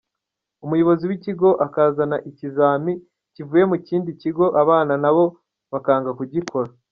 Umuyobozi w’ikigo akazana ikizami kivuye ku kindi kigo abana nabo bakanga kugikora.